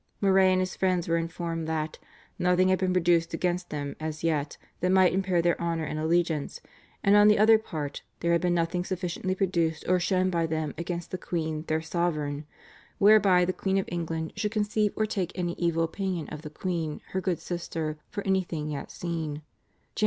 Moray and his friends were informed that "nothing had been produced against them as yet that might impair their honour and allegiance; and on the other part there had been nothing sufficiently produced or shown by them against the queen their sovereign, whereby the Queen of England should conceive or take any evil opinion of the queen her good sister for anything yet seen" (Jan.